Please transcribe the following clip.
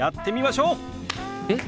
えっ？